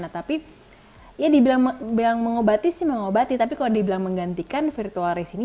nah tapi ya dibilang yang mengobati sih mengobati tapi kalau dibilang menggantikan virtual race ini